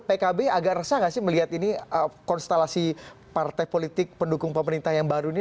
pkb agak resah gak sih melihat ini konstelasi partai politik pendukung pemerintah yang baru ini